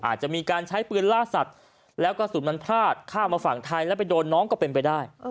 อาจจะมีการใช้ปืนล่าสัตว์แล้วกระสุนมันพลาดข้ามมาฝั่งไทยแล้วไปโดนน้องก็เป็นไปได้